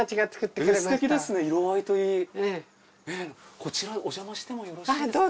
こちらおじゃましてもよろしいですか？